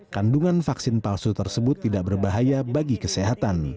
kandungan vaksin palsu tersebut tidak berbahaya bagi kesehatan